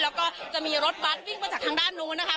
แล้วก็จะมีรถบัสวิ่งมาจากทางด้านนู้นนะคะ